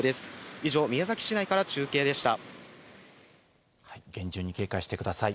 以上、宮崎市内から中継でした。